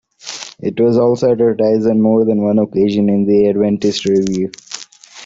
It was also advertised on more than one occasion in the "Adventist Review".